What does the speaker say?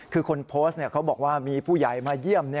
คือคนโพสต์เขาบอกว่ามีผู้ใหญ่มาเยี่ยม